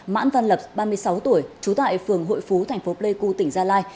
mãn văn lập ba mươi sáu tuổi trú tại phường hội phú thành phố pleiku tỉnh gia lai